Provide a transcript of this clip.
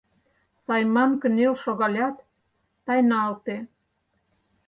Сайман кынел шогалят, тайналте.